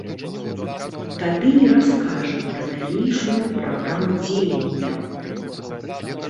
Тады і раскажа пра далейшую праграму дзеянняў.